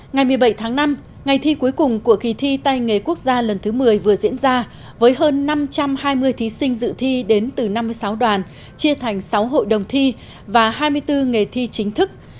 ngày một mươi bảy tháng năm ngày thi cuối cùng của kỳ thi tay nghề quốc gia lần thứ một mươi vừa diễn ra với hơn năm trăm hai mươi thí sinh dự thi đến từ năm mươi sáu đoàn chia thành sáu hội đồng thi và hai mươi bốn nghề thi chính thức